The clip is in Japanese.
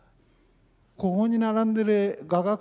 ここに並んでる画学